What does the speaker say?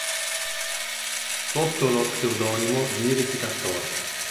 Sotto lo pseudonimo d'Iris Castor